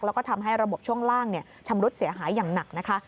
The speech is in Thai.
แล้วก็ทำให้ระบบช่วงล่างชำรุดเสียหายอย่างหนักนะคะ